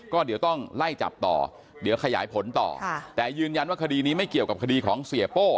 ก็เดี๋ยวต้องไล่จับต่อเดี๋ยวขยายผลต่อแต่ยืนยันว่าคดีนี้ไม่เกี่ยวกับคดีของเสียโป้